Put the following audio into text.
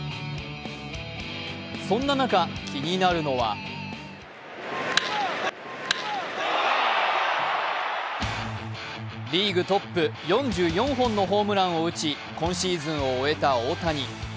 そんな中、気になるのはリーグトップ４４本のホームランを打ち今シーズンを終えた大谷。